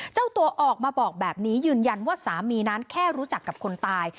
เจ้าตัวออกมาบอกแบบนี้ยืนยันว่าสามีนั้นแค่รู้จักกับคนตาย